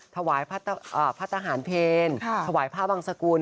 ถวายพระทหารเพลถวายผ้าบังสกุล